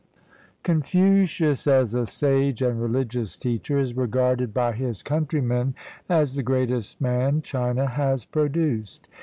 ] Confucius, as a sage and religious teacher, is regarded by his countrymen as the greatest man China has pro duced.